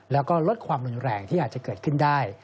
แล้วก็ลดความรุนแรงที่อาจจะเกิดขึ้นได้